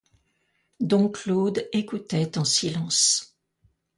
Dom Claude écoutait en silence.